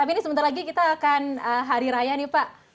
tapi ini sebentar lagi kita akan hari raya nih pak